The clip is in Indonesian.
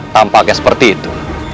tampaknya seperti itu